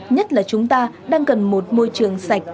nhất là chúng ta đang cần một môi trường sạch